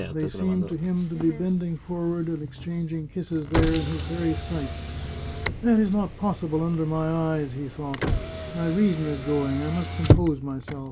They seemed to him to be bend ing forward and exchanging kisses there in his very sight. " That is not possible under my eyes," he thought. " My reason is going. I must compose myself.